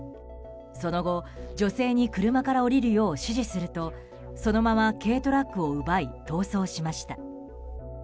その後、女性に車から降りるよう指示するとそのまま軽トラックを奪い逃走しました。